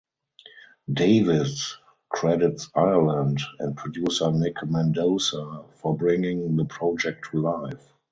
Davis credits Ireland and producer Nic Mendoza for bringing the project to life.